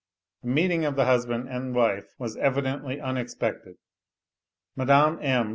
The meeting of the husband and wife was evidently unexpected. Mme. M.